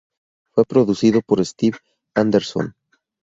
Fue producido por Steve Anderson.